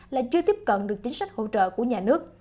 lại chưa tiếp cận được chính sách hỗ trợ của nhà nước